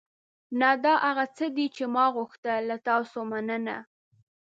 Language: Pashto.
نه، دا هغه څه دي چې ما غوښتل. له تاسو مننه.